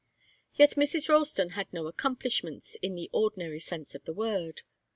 Yet Mrs. Ralston had no accomplishments, in the ordinary sense of the word.